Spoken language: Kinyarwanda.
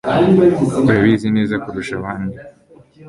Urabizi neza kurusha abandi.